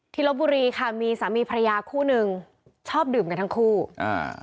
ลบบุรีค่ะมีสามีภรรยาคู่หนึ่งชอบดื่มกันทั้งคู่อ่า